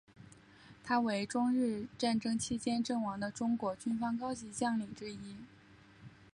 他为中日战争期间阵亡的中国军方高级将领之一。